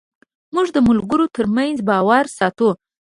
موږ د ملګرو تر منځ باور ساتو.